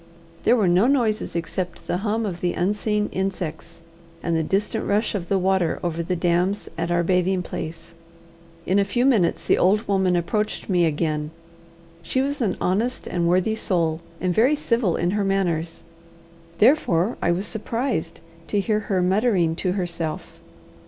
There were no noises except the hum of the unseen insects, and the distant rush of the water over the dams at our bathing place. In a few minutes the old woman approached me again. She was an honest and worthy soul, and very civil in her manners. Therefore I was surprised to hear her muttering to herself.